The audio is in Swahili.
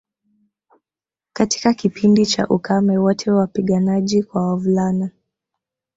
Katika kipindi cha ukame wote wapiganaji kwa wavulana